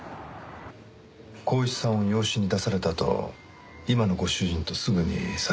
光一さんを養子に出されたあと今のご主人とすぐに再婚されてますよね？